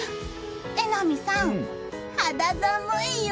榎並さん、肌寒いよ。